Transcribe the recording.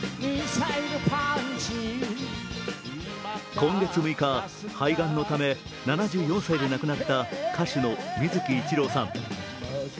今月６日、肺がんのため７４歳で亡くなった歌手の水木一郎さん。